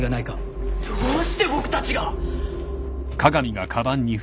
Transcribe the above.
どうして僕たちが。